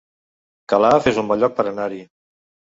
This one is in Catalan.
Calaf es un bon lloc per anar-hi